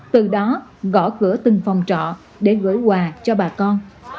từ đó gõ cửa từng phòng trọ để gửi quà cho bà con